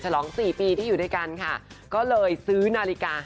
ฉลองสี่ปีที่อยู่ด้วยกันค่ะก็เลยซื้อนาฬิกา